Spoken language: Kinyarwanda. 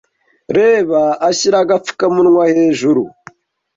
Reba ashyira agapfukamunwa hejuru.